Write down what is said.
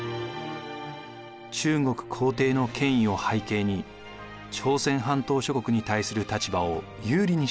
中国皇帝の権威を背景に朝鮮半島諸国に対する立場を有利にしようと考えたのです。